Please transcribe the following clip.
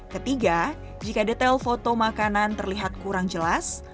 ketiga jika detail foto makanan terlihat kurang jelas